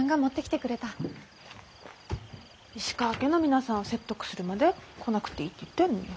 石川家の皆さんを説得するまで来なくていいって言ってるのに。